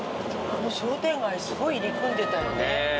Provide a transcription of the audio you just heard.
あの商店街すごい入り組んでたよね。